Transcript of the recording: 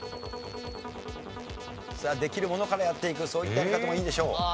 さあできるものからやっていくそういったやり方もいいんでしょう。